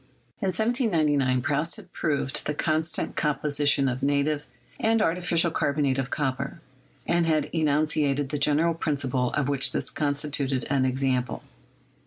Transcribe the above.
In 1799, Proust had proved the constant composition of native and artificial carbonate of copper, and had enunciated the general principle of which this constituted an example.